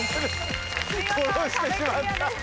殺してしまった。